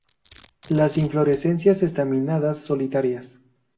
Las inflorescencias estaminadas solitarias.